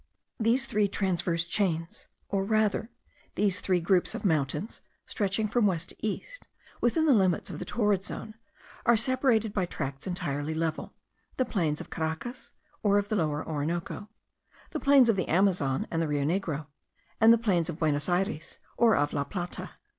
These three transverse chains, or rather these three groups of mountains stretching from west to east, within the limits of the torrid zone, are separated by tracts entirely level, the plains of Caracas, or of the Lower Orinoco; the plains of the Amazon and the Rio Negro; and the plains of Buenos Ayres, or of La Plata.